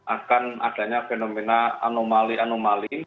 akan adanya fenomena anomali anomali